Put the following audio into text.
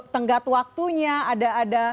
tenggat waktunya ada